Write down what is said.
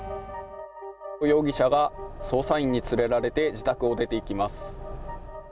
容疑者が捜査員に連れられて自宅を出ていきます。